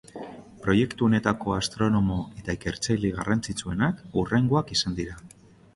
Proiektu honetako astronomo eta ikertzaile garrantzitsuenak hurrengoak izan dira.